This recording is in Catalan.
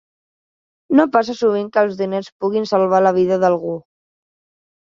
No passa sovint que els diners puguin salvar la vida d'algú.